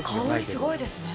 香り、すごいですね。